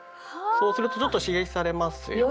そうするとちょっと刺激されますよね。